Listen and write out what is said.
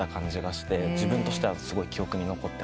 自分としてはすごい記憶に残ってます。